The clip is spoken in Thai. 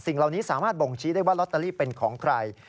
เหล่านี้สามารถบ่งชี้ได้ว่าลอตเตอรี่เป็นของใคร